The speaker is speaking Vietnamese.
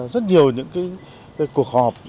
rất nhiều những cuộc họp